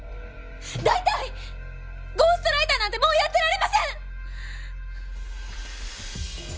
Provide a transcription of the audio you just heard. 大体ゴーストライターなんてもうやってられません！